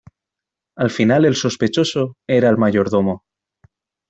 Al final el sospechoso, era el mayordomo.